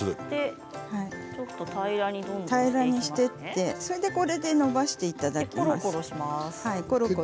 平らにしていってそれで伸ばしていただきますコロコロ。